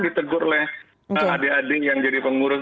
ditegur oleh adik adik yang jadi pengurus